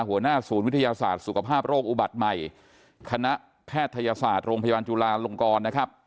หัวหน้าศูนย์วิทยาศาสตร์สุขภาพโรคอุบัติใหม่คณะแพทยศาสตร์โรงพยาบาลจุลาลงกรนะครับ